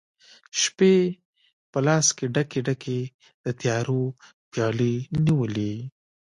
شپي په لاس کې ډکي، ډکي، د تیارو پیالې نیولي